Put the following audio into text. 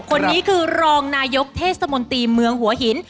คนนี้คือรองนายกเทศมนตรีเมืองหัวหิน